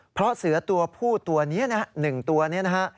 เพราะเสือตัวผู้ตัวนี้นะฮะ๑ตัวนี้นะฮะ